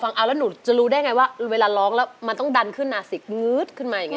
ฟังเอาแล้วหนูจะรู้ได้ไงว่าเวลาร้องแล้วมันต้องดันขึ้นนาสิกงื๊ดขึ้นมาอย่างนี้